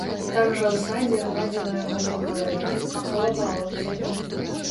Там жа ў садзе гладзіла яго па галаве, цалавала ўсяго.